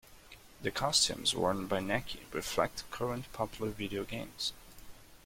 The costumes worn by Necky reflect current popular video games.